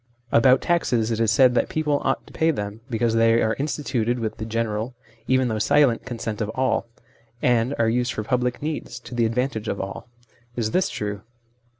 About taxes it is said that people ought to pay them because they are instituted with the general, even though silent, consent of all ; and are used for public needs, to the advantage of all. Is this true